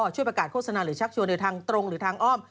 ช่วยประกาศโฆษณาหรือชักชวนในทางตรงหรือทางอ้อม